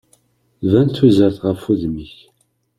Tban tuzert ɣef udem-ik.